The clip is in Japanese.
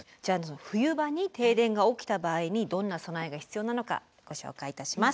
冬場に停電が起きた場合にどんな備えが必要なのかご紹介いたします。